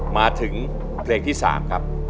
มาถึงเพลงที่๓ครับ